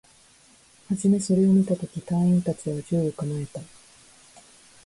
はじめそれを見たとき、隊員達は銃を構えた